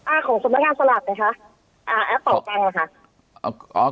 อ่าของสมทนาสลัดนะคะอ่าแอปเป๋าตังค์นะคะอ่า